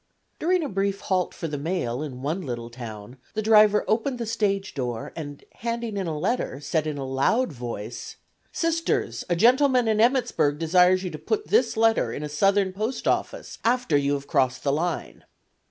During a brief halt for the mail in one little town the driver opened the stage door and handing in a letter said in a loud voice: "Sisters, a gentleman in Emmittsburg desires you to put this letter in a Southern post office after you have crossed the line."